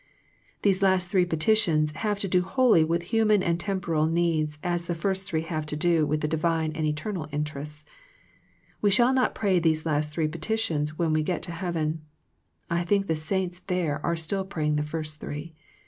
These last three petitions have to do wholly with human and temporal needs as the three first have to do with the Divine and eternal interests. We shall not pray these last three petitions when we get to heaven. I think the saints there are still praying the first three.